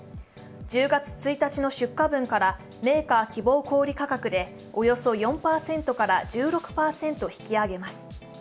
１０月１日の出荷分からメーカー希望小売価格でおよそ４％から１６％引き上げます。